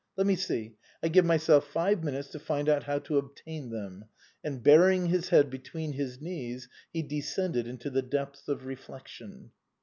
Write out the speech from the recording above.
Let me see : I give myself five minutes to find out how to obtain them ;" and ])urying his head between his knees, he descended into the depths of reflection.